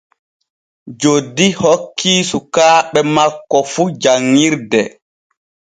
Joddi hokkii sukaaɓe makko fu janŋirde.